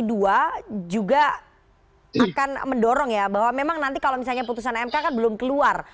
kedua juga akan mendorong ya bahwa memang nanti kalau misalnya putusan mk kan belum keluar